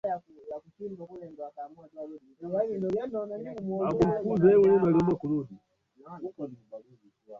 Watu wakitaamali, kumbe ndiyo buriani,